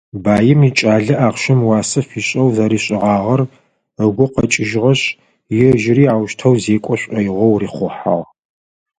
Баим икӏалэ ахъщэм уасэ фишӏэу зэришӏыгъагъэр ыгу къэкӏыжьыгъэшъ, ежьыри аущтэу зекӏо шӏоигъоу рихъухьагъ.